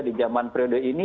di zaman periode ini